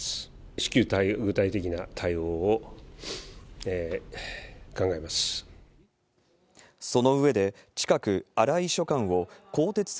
至急、具体的な対応を考えます。